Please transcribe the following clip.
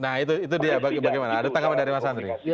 nah itu dia bagaimana ada tanggapan dari mas andri